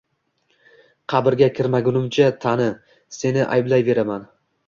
Qabrga kirmagunimcha, Tani, seni ayblayveraman